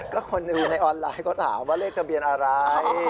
ก็คนหนึ่งในออนไลน์ก็ถามว่าเลขทะเบียนอะไร